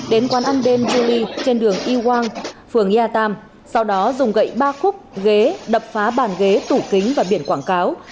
đến quán ăn đêm juli trên đường y wang phường ya tam sau đó dùng gậy ba khúc ghế đập phá bàn ghế tủ kính và biển quảng cáo